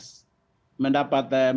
saya mendengar bahwa